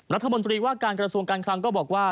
รัฐมนตรีว่าการกระทรวงการคลังก็บอกว่า